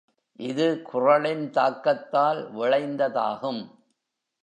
இது குறளின் தாக்கத்தால் விளைந்ததாகும்.